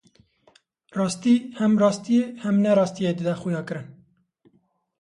Rastî hem rastiyê hem nerastiyê dide xuyakirin.